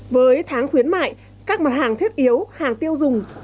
với tháng khuyến mại các mặt hàng thiết yếu hàng tiêu dùng